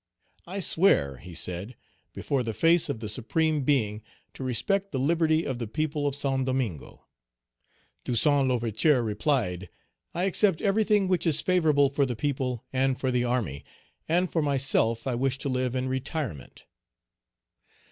"I swear," he said, "before the face of the Supreme Being, to respect the liberty of the people of Saint Domingo." Toussaint L'Ouverture replied, "I accept everything which is favorable for the people and for the army; and, for myself, I wish to live in retirement."